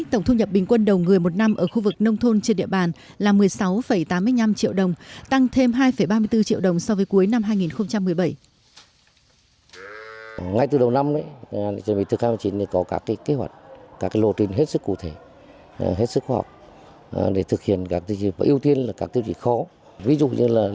tổng thu nhập bình quân đầu người một năm ở khu vực nông thôn trên địa bàn là một mươi sáu tám mươi năm triệu đồng tăng thêm hai ba mươi bốn triệu đồng so với cuối năm hai nghìn một mươi bảy